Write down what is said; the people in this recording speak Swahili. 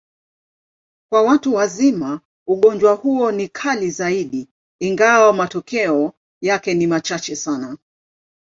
Kwa watu wazima, ugonjwa huo ni kali zaidi, ingawa matukio yake ni machache sana.